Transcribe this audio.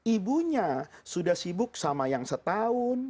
ibunya sudah sibuk sama yang setahun